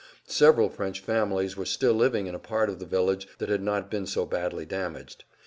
Several French families were still living in a part of the village that had not been so badly damaged.